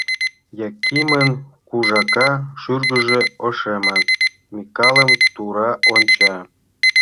Якимын кужака шӱргыжӧ ошемын, Микалым тура онча.